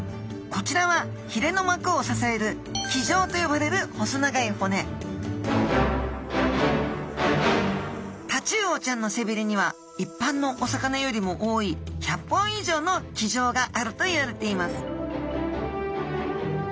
こちらはひれの膜を支える鰭条と呼ばれる細長い骨タチウオちゃんの背びれにはいっぱんのお魚よりも多い１００本以上の鰭条があるといわれています